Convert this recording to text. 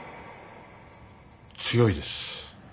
強いです。